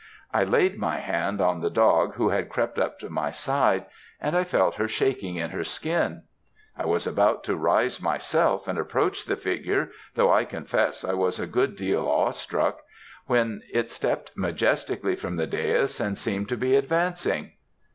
I laid my hand on the dog who had crept up to my side, and I felt her shaking in her skin. I was about to rise myself and approach the figure, though I confess I was a good deal awe struck, when it stepped majestically from the dais, and seemed to be advancing.